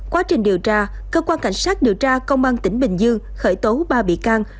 quá trình điều tra cơ quan cảnh sát điều tra công an tỉnh bình dương khởi tố ba bị can